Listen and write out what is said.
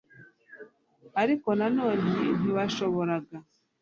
ariko na none ntibashoboraga